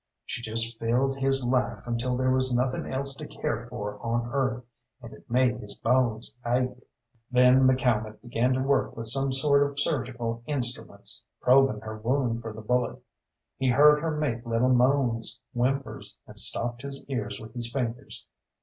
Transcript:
She just filled his life until there was nothing else to care for on earth, and it made his bones ache. Then McCalmont began to work with some sort of surgical instruments, probing her wound for the bullet. He heard her make little moans, whimpers, and stopped his ears with his fingers.